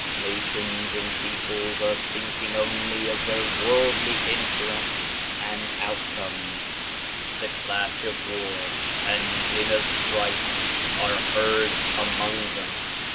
Nations and peoples are thinking only of their worldly interests and outcomes. The clash of war and din of strife are heard among them.